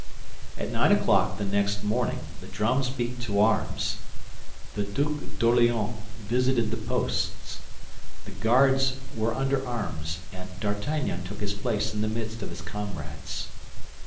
At nine o'clock the next morning, the drums beat to arms. The Duc d'Orléans visited the posts. The guards were under arms, and D'Artagnan took his place in the midst of his comrades.